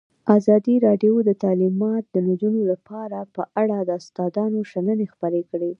ازادي راډیو د تعلیمات د نجونو لپاره په اړه د استادانو شننې خپرې کړي.